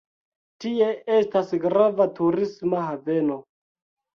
Tie estas grava turisma haveno.